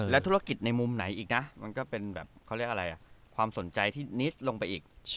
และธุรกิจในมุมไหนอีกนะมันก็เป็นความสนใจที่นิดลงไปอีก